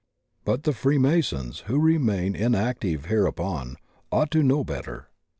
But the Free Masons, who remain inactive hereupon, ought to know better.